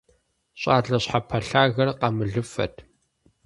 ЩӀалэ щхьэпэлъагэр къамылыфэт.